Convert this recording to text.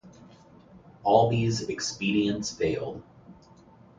All these expedients failed.